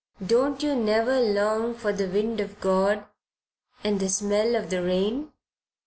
"Don't you never long for the wind of God and the smell of the rain?"